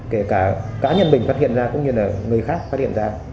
kể cả cá nhân mình phát hiện ra cũng như là người khác phát hiện ra